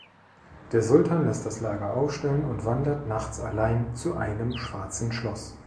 Der Sultan lässt das Lager aufstellen und wandert nachts allein zu einem schwarzen Schloss.